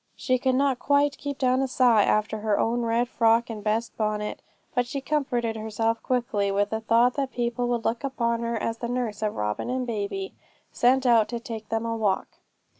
She could not quite keep down a sigh after her own red frock and best bonnet; but she comforted herself quickly with the thought that people would look upon her as the nurse of Robin and baby, sent out to take them a walk.